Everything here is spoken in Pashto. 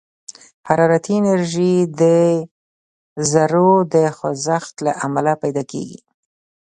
حرارتي انرژي د ذرّو د خوځښت له امله پيدا کېږي.